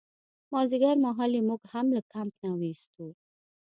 مازدیګرمهال یې موږ هم له کمپ نه ویستو.